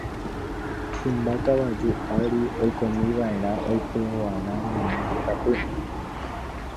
Hymba kavaju ári oikómiva'erã oipyguara ñane retãpy.